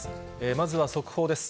まずは速報です。